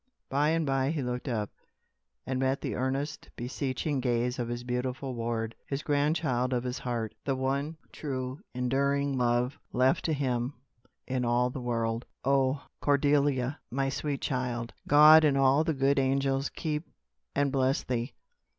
By and by he looked up, and met the earnest, beseeching gaze of his beautiful ward his grandchild of his heart the one true, enduring love left to him in all the world. "Oh, Cordelia, my sweet child! God and all the good angels keep and bless thee!"